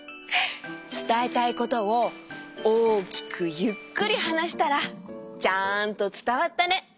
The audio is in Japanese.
つたえたいことを大きくゆっくりはなしたらちゃんとつたわったね。